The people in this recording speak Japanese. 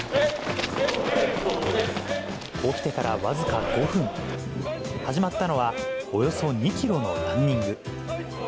起きてから僅か５分、始まったのは、およそ２キロのランニング。